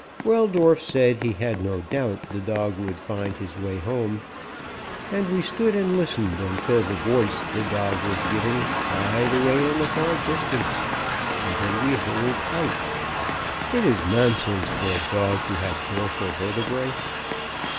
Weldorf said he had no doubt the dog would find his way home, and we stood and listened until the voice the dog was giving died away in the far distance, and then we holed out. It is nonsense for a dog to have dorsal vertebrae.